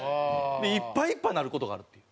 でいっぱいいっぱいになる事があるっていう。